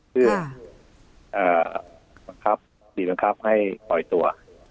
คือบังคับหรือบังคับให้ปล่อยตัว